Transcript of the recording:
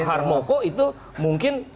harmoko itu mungkin